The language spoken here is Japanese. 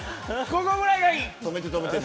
ここぐらいがいい。